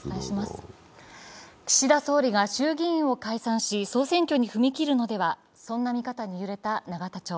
岸田総理が衆議院を解散し総選挙に踏み切るのでは、そんな見方に揺れた永田町。